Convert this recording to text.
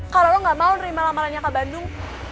kalau lo gak mau terima lamarannya kak bandung